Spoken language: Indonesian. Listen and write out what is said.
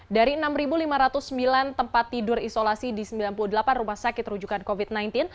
dari enam lima ratus sembilan tempat tidur isolasi di sembilan puluh delapan rumah sakit rujukan covid sembilan belas